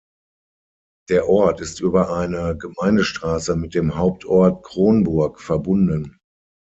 Der Ort ist über eine Gemeindestraße mit dem Hauptort Kronburg verbunden.